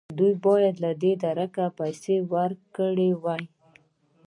دوی باید له دې درکه پیسې ورکړې وای.